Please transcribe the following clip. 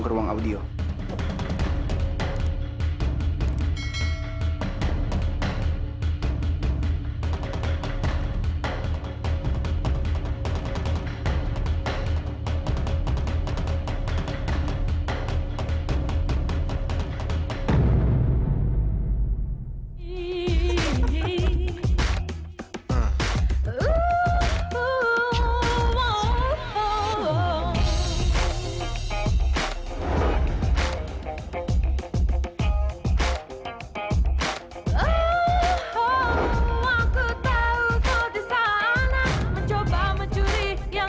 mami periksa dulu ya